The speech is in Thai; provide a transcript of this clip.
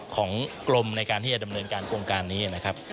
ของกรมในการที่จะดำเนินการโครงการนี้นะครับ